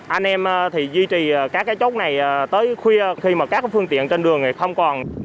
anh em thì duy trì các cái chốt này tới khuya khi mà các phương tiện trên đường thì không còn